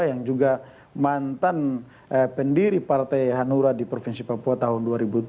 yang juga mantan pendiri partai hanura di provinsi papua tahun dua ribu tujuh